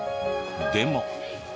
でも。